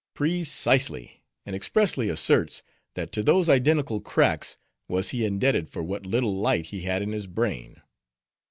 "Precisely. And expressly asserts, that to those identical cracks, was he indebted for what little light he had in his brain."